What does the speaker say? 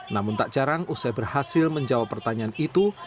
namun tak jarang usai berhasil menjawab pertanyaan itu